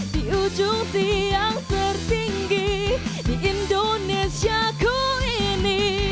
di ujung tiang tertinggi di indonesia ku ini